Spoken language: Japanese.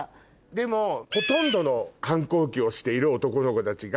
でもほとんどの反抗期をしている男の子たちが。